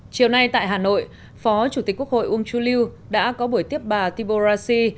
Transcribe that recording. chiều nay tại hà nội phó chủ tịch quốc hội uông chu lưu đã có buổi tiếp bà tiboraci